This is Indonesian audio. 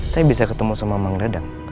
saya bisa ketemu sama mang radang